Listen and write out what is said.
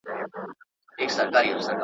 په پوهېدل ګران کار دی